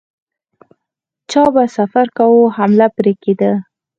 چا به سفر کاوه حمله پرې کېده.